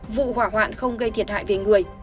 vụ hỏa hoạn không gây thiệt hại về người